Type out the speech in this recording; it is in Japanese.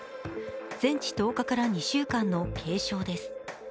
全治１０日から２週間の軽傷です。